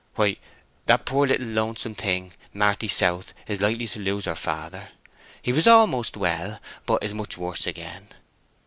"Why, that poor little lonesome thing, Marty South, is likely to lose her father. He was almost well, but is much worse again.